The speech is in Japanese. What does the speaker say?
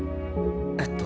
えっと。